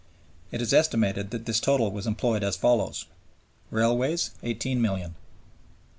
It is estimated that this total was employed as follows: Railways 18,000,000 tons.